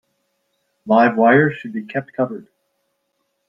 Live wires should be kept covered.